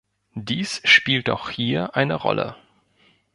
Dies spielt auch hier eine Rolle.